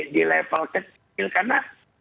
di level kecil karena